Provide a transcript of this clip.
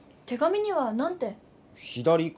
手紙にはなんて？